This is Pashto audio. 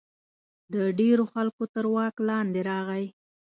د ډېرو خلکو تر واک لاندې راغی.